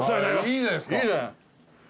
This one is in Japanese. いいじゃないですか。